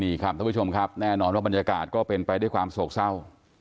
นี่ครับท่านผู้ชมครับแน่นอนว่าบรรยากาศก็เป็นไปด้วยความโศกเศร้า